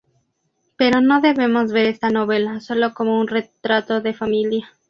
Pero no debemos ver esta novela solo como un retrato de familia.